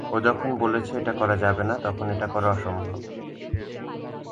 ও যখন বলছে এটা করা যাবে না, তখন এটা করা অসম্ভব।